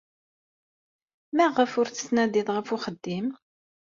Maɣef ur d-tettnadiḍ ɣef uxeddim?